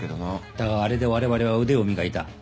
だがあれでわれわれは腕を磨いた。